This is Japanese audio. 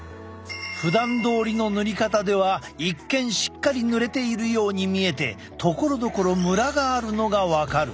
ふだんどおりの塗り方では一見しっかり塗れているように見えてところどころムラがあるのが分かる。